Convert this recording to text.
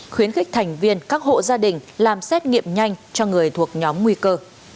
khuyến khích thành viên các hộ gia đình làm xét nghiệm nhanh cho người thuộc nhóm nguy cơ